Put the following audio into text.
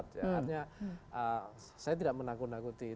artinya saya tidak menakut nakuti